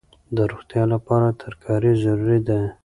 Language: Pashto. د روغتیا لپاره ترکاري ضروري ده.